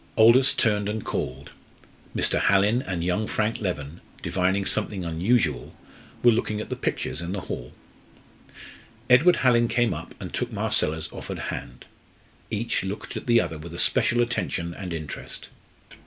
Aldous turned and called. Mr. Hallin and young Frank Leven, divining something unusual, were looking at the pictures in the hall. Edward Hallin came up and took Marcella's offered hand. Each looked at the other with a special attention and interest.